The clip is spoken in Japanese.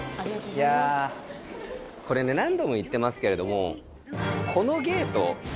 いやこれね何度も言ってますけれども。